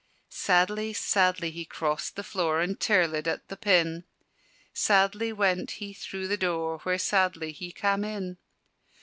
Sadly, sadly he crossed the floor And tirlëd at the pin: Sadly went he through the door Where sadly he cam' in.